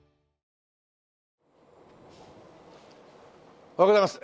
おはようございます。